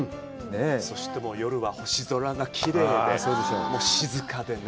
そして夜は星空がきれいで、静かでね。